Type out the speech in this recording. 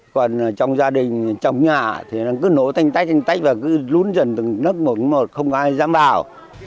còn trong gia đình trong nhà thì nó cứ nổ thanh tách thanh tách và cứ lún dần từng lớp một đến một không ai dám vào